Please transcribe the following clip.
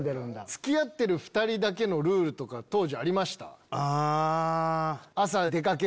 付き合ってる２人だけのルール当時ありました？